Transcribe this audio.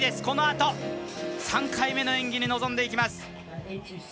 このあと３回目の演技に臨んでいきます。